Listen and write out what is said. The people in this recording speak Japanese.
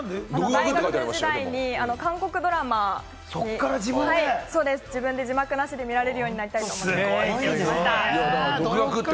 大学時代に韓国ドラマ、自分で字幕なしで見られるようになりたいと思って。